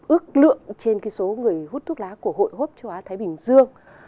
ước lượng trên cái số người hút thuốc lá của hội hút châu á thái bình dương